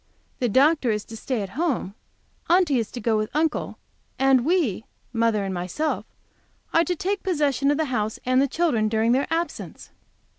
The Dr. is to stay at home, Aunty is to go with Uncle, and we mother and myself are to take possession of the house and children during their absence!